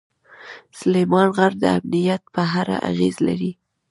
سلیمان غر د امنیت په اړه اغېز لري.